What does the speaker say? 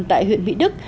tại huyện mỹ đức